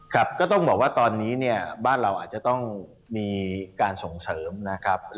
ครับก็ต้องบอกว่าตอนนี้เนี่ยบ้านเราอาจจะต้องมีการส่งเสริมนะครับ